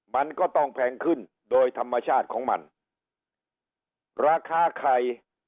มันก็ต้องแพงขึ้นโดยธรรมชาติของมันราคาไข่